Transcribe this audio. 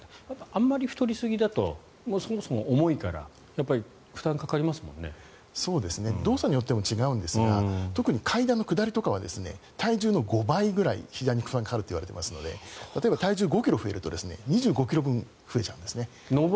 あまり太りすぎだとそもそも重いから動作によっても違いますが特に階段の下りとかは体重の５倍ぐらいひざに負担がかかるといわれていますので例えば体重が５ｋｇ増えると２５ｋｇ分増えちゃうんですね。